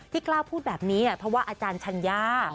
กล้าพูดแบบนี้เพราะว่าอาจารย์ชัญญา